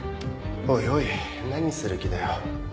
おいおい何する気だよ。